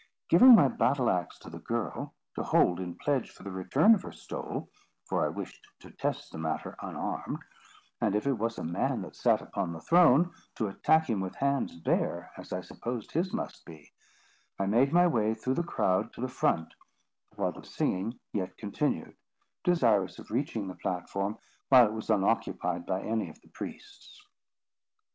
Giving my battle axe to the girl, to hold in pledge for the return of her stole, for I wished to test the matter unarmed, and, if it was a man that sat upon the throne, to attack him with hands bare, as I supposed his must be, I made my way through the crowd to the front, while the singing yet continued, desirous of reaching the platform while it was unoccupied by any of the priests.